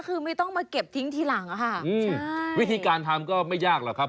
คือไม่ต้องมาเก็บทิ้งทีหลังอะค่ะอืมวิธีการทำก็ไม่ยากหรอกครับ